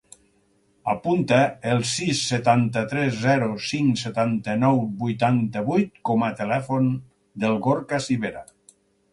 Apunta el sis, setanta-tres, zero, cinc, setanta-nou, vuitanta-vuit com a telèfon del Gorka Civera.